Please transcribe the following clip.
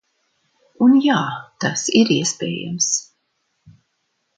Un, jā, tas ir iespējams.